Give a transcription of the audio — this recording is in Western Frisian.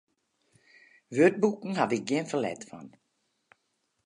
Wurdboeken haw ik gjin ferlet fan.